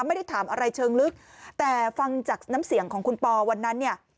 ไม่ได้ถามอะไรเชิงลึกแต่ฟังจากน้ำเสียงของคุณปอวันนั้นเนี่ย